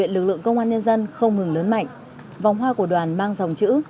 công an nhân dân không ngừng lớn mạnh vòng hoa của đoàn mang dòng chữ